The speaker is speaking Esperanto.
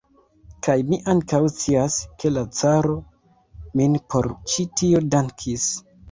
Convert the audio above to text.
Kaj mi ankaŭ scias, ke la caro min por ĉi tio dankis.